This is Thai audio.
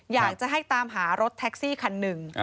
อยากจะให้ตามหารถแท็กซี่คันหนึ่ง